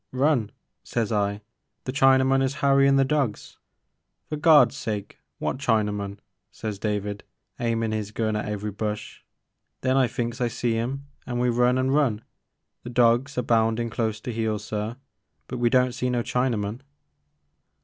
* Run I* sez I, * the Chinaman is harryin* the dawgs I For Gawd*s sake wot Chinaman ?' sez David, h*aimin' *is gun at every bush. Then I thinks I see *im an' we run an* run, the dawgs a boundin' close to heel sir, but we don't see no Chinaman."